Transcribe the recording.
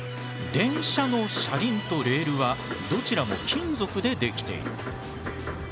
電車の車輪とレールはどららも金属で出来ている。